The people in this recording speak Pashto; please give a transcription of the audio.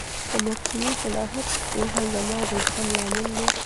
د مفهومي شناخت پوهه زما د زغم لامل ده.